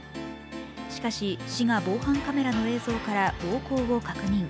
しかし、市が防犯カメラの映像から暴行を確認。